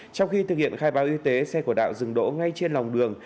trong khi thực hiện khai báo y tế xe của đạo dừng đỗ ngay trên lòng đường